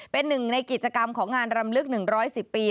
เป็นหนึ่งในกิจกรรมของงานรำลึก๑๑๐ปี